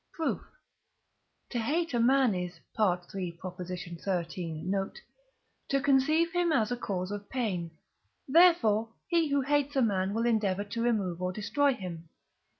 Proof. To hate a man is (III. xiii. note) to conceive him as a cause of pain; therefore he who hates a man will endeavour to remove or destroy him.